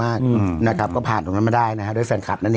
มากอืมนะครับก็ผ่านตรงนั้นมาได้นะครับด้วยแฟนครับนั่น